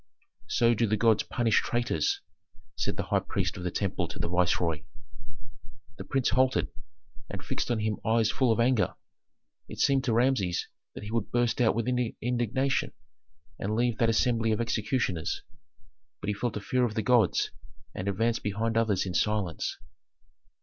"So do the gods punish traitors," said the high priest of the temple to the viceroy. The prince halted, and fixed on him eyes full of anger. It seemed to Rameses that he would burst out with indignation, and leave that assembly of executioners; but he felt a fear of the gods and advanced behind others in silence.